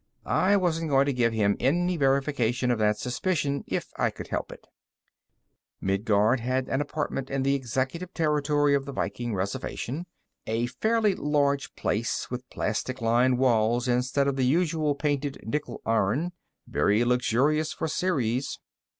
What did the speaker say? I wasn't going to give him any verification of that suspicion if I could help it. Midguard had an apartment in the executive territory of the Viking reservation, a fairly large place with plastic lined walls instead of the usual painted nickel iron. Very luxurious for Ceres.